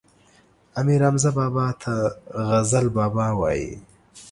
امير حمزه بابا ته غزل بابا وايي